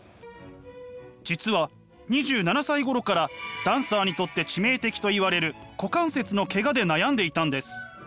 実は２７歳ごろからダンサーにとって致命的といわれる股関節のケガで悩んでいたんです。